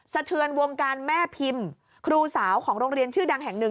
สะเทือนวงการแม่พิมพ์ครูสาวของโรงเรียนชื่อดังแห่งหนึ่ง